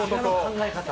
考え方。